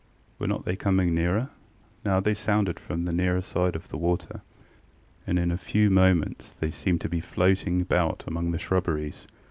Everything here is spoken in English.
Were not they coming nearer? Now they sounded from the nearer side of the water, and in a few moments they seemed to be floating about among the shrubberies.